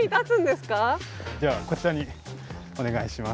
ではこちらにお願いします。